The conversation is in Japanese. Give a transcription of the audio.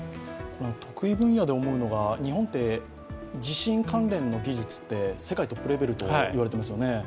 得意分野で思うのが、日本って地震関連の技術って世界トップレベルといわれてますよね。